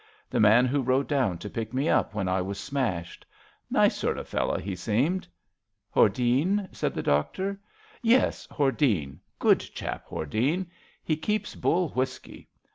The man who rode down to pick me up when I was smashed. Nice sort of fellow he seemed." ^^ Hordene? " said the doctor. Yes, Hordene. Good chap, Hordene. He keeps Bull whisky.